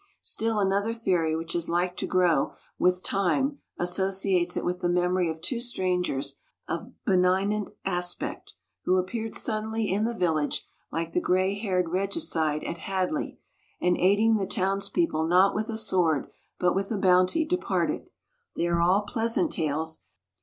Still another theory which is like to grow with time associates it with the memory of two strangers of benignant aspect, who appeared suddenly in the village like the gray haired regicide at Hadley, and aiding the towns people not with a sword, but with a bounty, departed. They are all pleasant tales.